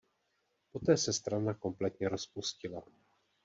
Poté se strana kompletně rozpustila.